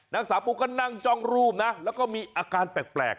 นางสาวปูก็นั่งจ้องรูปนะแล้วก็มีอาการแปลก